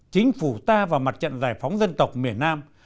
chính phủ ta và mặt trận giải phóng dân tộc miền nam